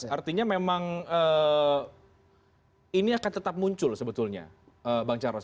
artinya memang ini akan tetap muncul sebetulnya bang charles